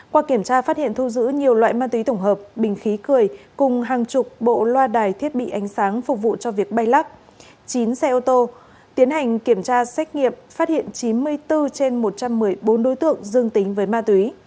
qua kiểm tra phát hiện thu giữ nhiều loại ma túy tổng hợp bình khí cười cùng hàng chục bộ loa đài thiết bị ánh sáng phục vụ cho việc bay lắc chín xe ô tô tiến hành kiểm tra xét nghiệm phát hiện chín mươi bốn trên một trăm một mươi bốn đối tượng dương tính với ma túy